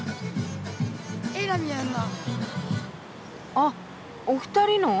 あっお二人の？